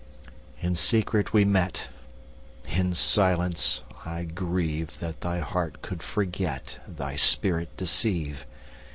In secret we met:In silence I grieveThat thy heart could forget, Thy spirit deceive.